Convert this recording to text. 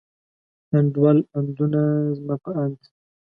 انډول، اندونه، زما په اند.